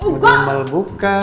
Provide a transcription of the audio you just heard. mau jembal buka